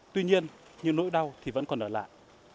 tuy nhiên như nỗi đau thì vẫn còn ở lại